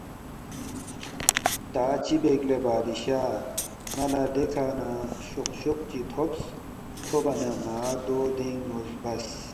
”تا چِہ بیک لے بادشاہ ن٘ا لہ دیکھہ نہ شوقشوق چی تھوبس تھوبا نہ ن٘ا دو دینگ نُو زبَس